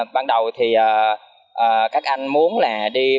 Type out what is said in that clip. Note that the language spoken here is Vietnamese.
ban đầu thì các anh muốn là đi bóng đá